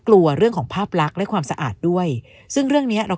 กลัวเรื่องของภาพลักษณ์และความสะอาดด้วยซึ่งเรื่องเนี้ยเรา